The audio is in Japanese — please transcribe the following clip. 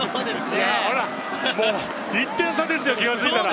ほら、１点差ですよ、気が付いたら。